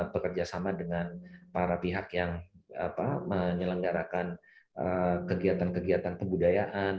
bekerjasama dengan para pihak yang menyelenggarakan kegiatan kegiatan kebudayaan